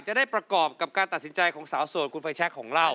จะได้ประกอบกับการตัดสินใจของสาวโสดคุณไฟแชคของเรา